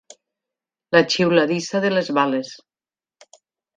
La xiuladissa de les bales.